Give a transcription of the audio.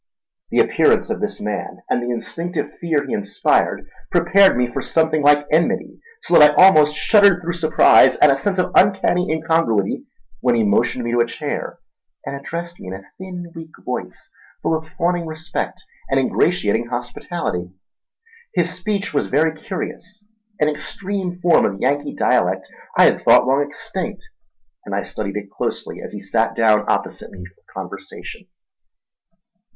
The appearance of this man, and the instinctive fear he inspired, prepared me for something like enmity; so that I almost shuddered through surprise and a sense of uncanny incongruity when he motioned me to a chair and addressed me in a thin, weak voice full of fawning respect and ingratiating hospitality. His speech was very curious, an extreme form of Yankee dialect I had thought long extinct; and I studied it closely as he sat down opposite me for conversation.